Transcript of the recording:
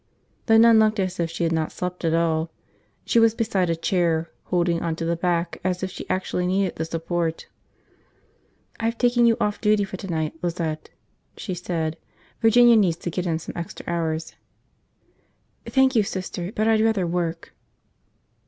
The nun looked as if she had not slept at all. She was beside a chair, holding on to the back as if she actually needed the support. "I've taken you off duty for tonight, Lizette," she said. "Virginia needs to get in some extra hours." "Thank you, Sister. But I'd rather work."